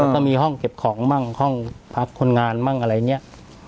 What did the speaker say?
แล้วก็มีห้องเก็บของบ้างห้องพักคนงานบ้างอะไรเนี้ย